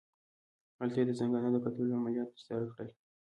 هلته یې د زنګانه د کتلولو عملیات ترسره کړل.